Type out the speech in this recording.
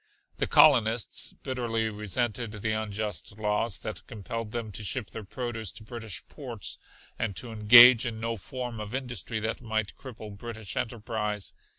The colonists bitterly resented the unjust laws that compelled them to ship their produce to British ports and to engage in no form of industry that might cripple British enterprise.